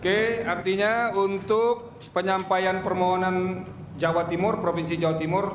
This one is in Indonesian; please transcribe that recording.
oke artinya untuk penyampaian permohonan jawa timur provinsi jawa timur